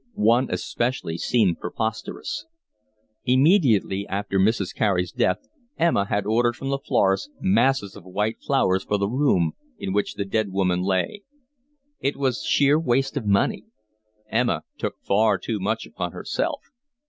One especially seemed preposterous. Immediately after Mrs. Carey's death Emma had ordered from the florist masses of white flowers for the room in which the dead woman lay. It was sheer waste of money. Emma took far too much upon herself.